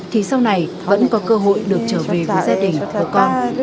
trở về với gia đình với con